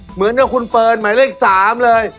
เหมือนกับคุณเฟิร์นหมายเลข๓เลย